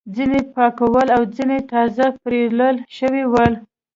ځینې پاک ول او ځینې تازه پریولل شوي ول.